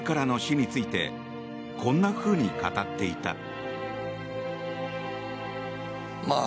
自らの死についてこんなふうに語っていた。